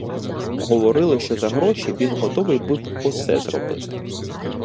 Говорили, що за гроші він готовий був усе зробити.